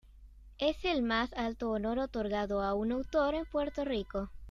Es el más alto honor otorgado a un autor en Puerto Rico.